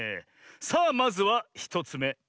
さあまずは１つめ。